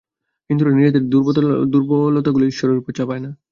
হিন্দুরা নিজেদের দুর্বলতাগুলি ঈশ্বরের উপর চাপায় না।